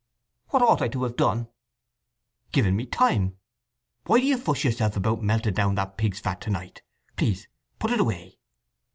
"What ought I to have done?" "Given me time… Why do you fuss yourself about melting down that pig's fat to night? Please put it away!"